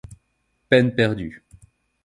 Peine perdue.